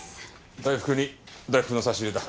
大福に大福の差し入れだ。